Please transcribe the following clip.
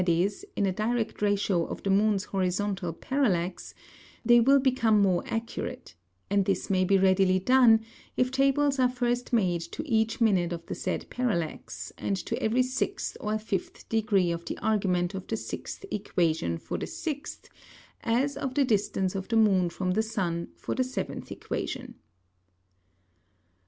e._ in a direct Ratio of the Moon's Horizontal Parallax, they will become more accurate: And this may be readily done, if Tables are first made to each minute of the said Parallax, and to every sixth or fifth degree of the Argument of the sixth Equation for the Sixth, as of the distance of the Moon from the Sun, for the Seventh Equation.